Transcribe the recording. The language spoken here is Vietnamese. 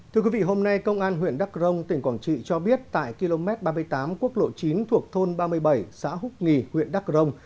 thưa quý vị hôm nay công an huyện đắk rông tỉnh quảng trị cho biết tại km ba mươi tám quốc lộ chín thuộc thôn ba mươi bảy xã hút nghì huyện đắk rồng